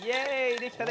できたね。